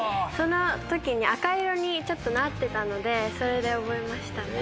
その時に赤色にちょっとなってたのでそれで覚えました。